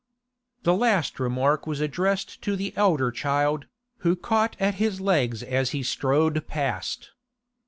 The last remark was addressed to the elder child, who caught at his legs as he strode past.